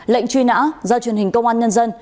lệnh truy nã do truyền hình công an nhân dân